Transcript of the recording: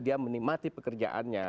dia menikmati pekerjaannya